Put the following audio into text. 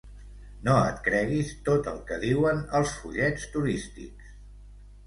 No et creguis tot el que diuen els fullets turístics.